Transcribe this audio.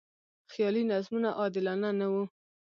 خیالي نظمونه عادلانه نه و.